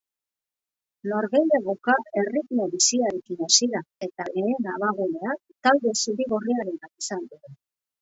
Norgehiagoka erritmo biziarekin hasi da, eta lehen abaguneak talde zuri-gorriarenak izan dira.